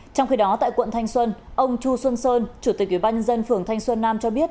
trong khi đó tại quận thanh xuân ông chu xuân sơn chủ tịch ubnd phường thanh xuân nam cho biết